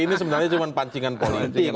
ini sebenarnya cuma pancingan politik